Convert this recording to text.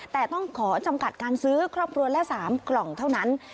แต่ต้องขอจำกัดการซื้อครอบครัวละ๓กล่องเท่านั้น